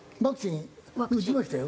打ちましたよ。